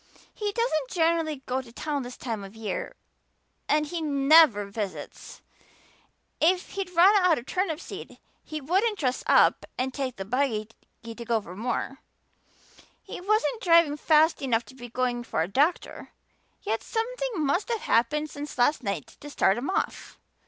"He doesn't generally go to town this time of year and he never visits; if he'd run out of turnip seed he wouldn't dress up and take the buggy to go for more; he wasn't driving fast enough to be going for a doctor. Yet something must have happened since last night to start him off.